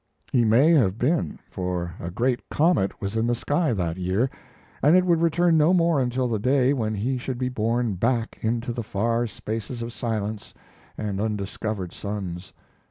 He may have been, for a great comet was in the sky that year, and it would return no more until the day when he should be borne back into the far spaces of silence and undiscovered suns.